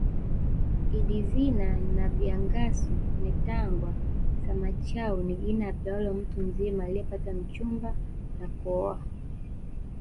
Idizina bya Ngasu netangwa Samachau ni jina apewalo mtu mzima aliyepata mchumba na kuoa